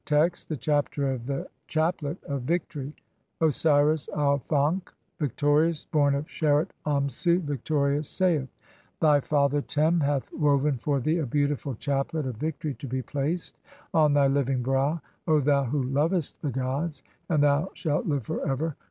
Text : The Chapter of the Chapi.et of Victory, (i) Osiris Auf ankh, victorious, born of Sheret Amsu, victorious, saith :— "Thy father Tern hath woven for thee a beautiful chaplet of "victory [to be placed] on [thy] living brow, O thou who lovest "the gods, (2) and thou shalt live for ever.